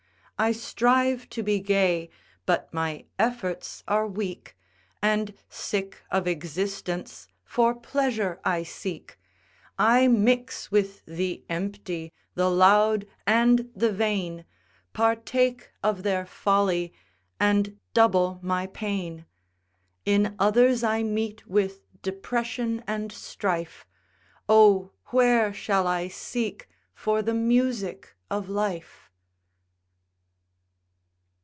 I strive to be gay, but my efforts are weak, And, sick of existence, for pleasure I seek; I mix with the empty, the loud, and the vain, Partake of their folly, and double my pain. In others I meet with depression and strife; Oh! where shall I seek for the music of life?